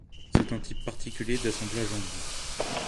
C'est un type particulier d'assemblage en bout.